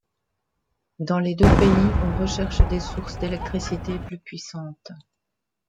Dans les deux pays, on recherche des sources d'électrité plus puissantes.